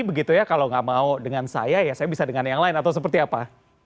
begitu ya kalau nggak mau dengan saya ya saya bisa dengan yang lain atau seperti apa